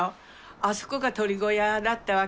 あそこが鶏小屋だったわけ。